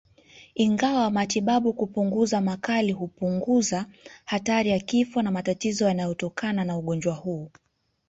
Ingawa matibabu kupunguza makali hupunguza hatari ya kifo na matatizo yanayotokana na ugonjwa huu